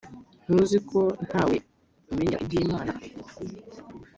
ntuziko ntawe umenyera iby’imana